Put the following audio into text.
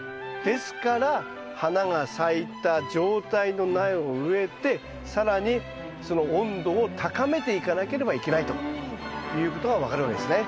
ですから花が咲いた状態の苗を植えて更にその温度を高めていかなければいけないということが分かるわけですね。